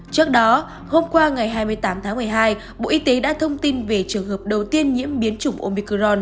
trước đó hôm qua ngày hai mươi tám tháng một mươi hai bộ y tế đã thông tin về trường hợp đầu tiên nhiễm biến chủng omicron